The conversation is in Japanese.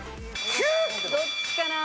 どっちかな？